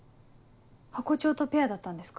ハコ長とペアだったんですか？